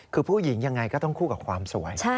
คือผู้หญิงยังไงก็ต้องคู่กับความสวย